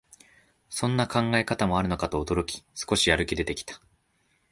そんな考え方もあるのかと驚き、少しやる気出てきた